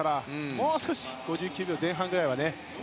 もう少し５９秒前半ぐらいはね。